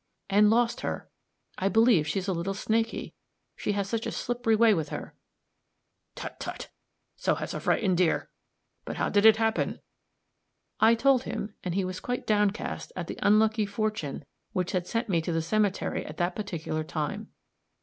"And lost her. I believe she is a little snaky, she has such a slippery way with her." "Tut! tut! so has a frightened deer! But how did it happen?" I told him, and he was quite downcast at the unlucky fortune which had sent me to the cemetery at that particular time.